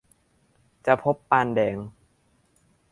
จะพบปานแดง